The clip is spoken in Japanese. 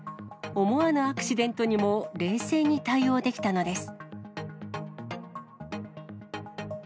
思わぬアクシデントにも冷静に対応できたのです。